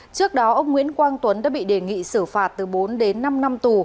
trước đó ông nguyễn quang tuấn đã bị đề nghị xử phạt từ bốn đến năm năm tù